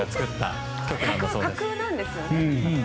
架空なんですよね。